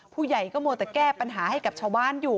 ผู้ใหญ่ก็มัวแต่แก้ปัญหาให้กับชาวบ้านอยู่